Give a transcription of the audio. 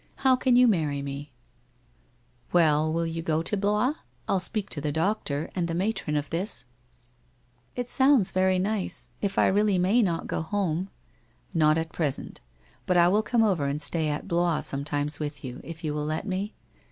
How can you marry me ?'' Well, will you go to Blois ? I'll speak to the doctor and the matron of this.' * It sounds very nice — if I really may not go home? '' Not at present. But I will come over and stay at Blois sometimes with you, if you will let me?